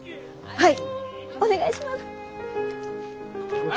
はい！